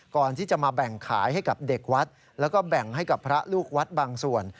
ก่อนที่จะมาแบ่งขายให้กับเด็กวัดแล้วก็แบ่งให้กับพระลูกวัดบางส่วน